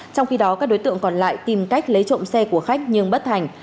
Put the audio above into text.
trong khi đó các đối tượng còn lại tìm cách lấy trộm xe của khách nhưng bất thành